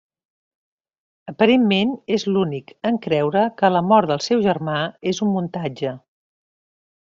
Aparentment és l'únic en creure que la mort del seu germà és un muntatge.